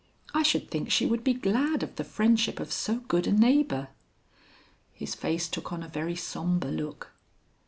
I should think she would be glad of the friendship of so good a neighbor." His face took on a very sombre look.